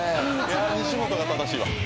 西本が正しいわ」